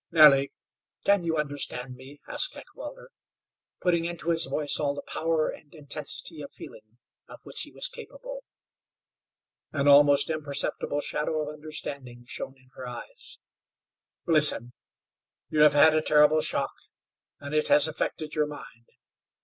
"Nellie, can you understand me?" asked Heckewelder, putting into his voice all the power and intensity of feeling of which he was capable. An almost imperceptible shadow of understanding shone in her eyes. "Listen. You have had a terrible shock, and it has affected your mind.